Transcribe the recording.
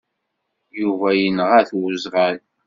Yuba yenɣa-t uẓɣal.